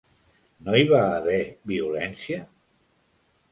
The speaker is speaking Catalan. No hi va haver violència?